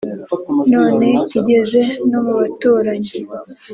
none kigeze no mubaturanyi